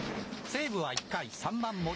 西武は１回、３番森。